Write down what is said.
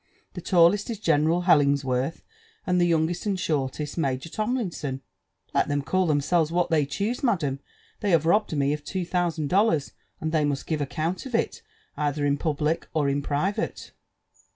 The tallest is General Hellogswerth i aad the youngest end shorted, Major Tomlinson." *< iet them eall themselves what they choose, madam, they have robbed me of two thousand dollars, and .they must give acefiuat of it either in public or in private.